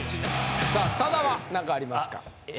さあ多田はなんかありますか？